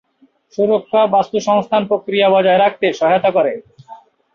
সুরক্ষা বাস্তুসংস্থান প্রক্রিয়া বজায় রাখতে সহায়তা করে।